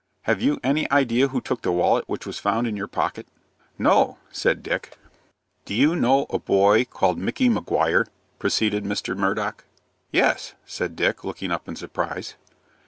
"Have you any idea who took the wallet which was found in your pocket?" "No," said Dick. "Do you know a boy called Micky Maguire?" proceeded Mr. Murdock. "Yes," said Dick, looking up in surprise.